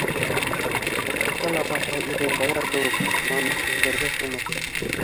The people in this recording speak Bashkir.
Ята ла баһа ирең баяр кеүек, мамыҡ мендәргә сумып...